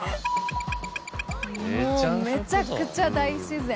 もうめちゃくちゃ大自然。